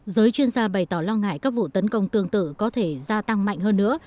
giới chuyên gia bày tỏ lo ngại các vụ tấn công tương tự có thể gia tăng mạnh hơn nữa